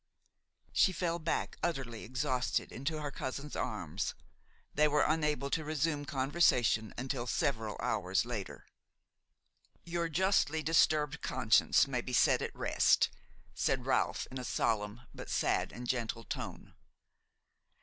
She fell back, utterly exhausted, into her cousin's arms. They were unable to resume conversation until several hours later. "Your justly disturbed conscience may be set at rest," said Ralph, in a solemn, but sad and gentle tone.